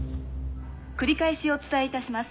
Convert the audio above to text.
「繰り返しお伝え致します」